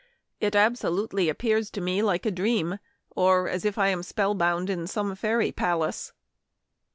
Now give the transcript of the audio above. It absolutely appears to me like a dream, or as if I am spell bound in some fairy palace."'